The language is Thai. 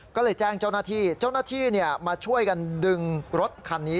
ก็เลยแจ้งเจ้าหน้าที่เจ้าหน้าที่มาช่วยกันดึงรถคันนี้